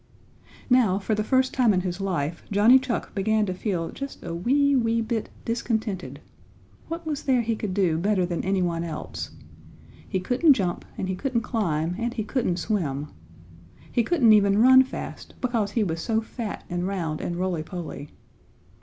Now for the first time in his life Johnny Chuck began to feel just a wee, wee bit discontented. What was there he could do better than any one else? He couldn't jump and he couldn't climb and he couldn't swim. He couldn't even run fast, because he was so fat and round and rolly poly.